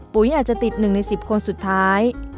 ปุ๋ยอาจจะติดหนึ่งในสิบคนสุดท้าย